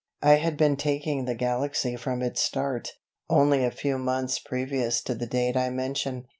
I had been taking "The Galaxy" from its start, only a few months previous to the date I mention.